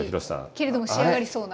けれども仕上がりそうな。